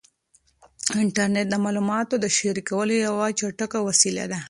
انټرنیټ د معلوماتو د شریکولو یوه چټکه وسیله ده.